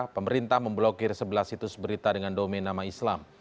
pemerintah memblokir sebelas situs berita dengan domain nama islam